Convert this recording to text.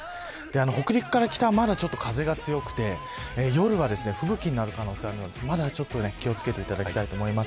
北陸から北は、まだ風が強くて夜は吹雪になる可能性があるのでまだ、ちょっと気を付けていただきたいと思います。